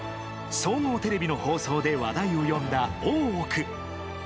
総合テレビの放送で話題を呼んだ「大奥」。